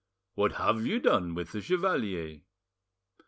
"What have you done with the chevalier?"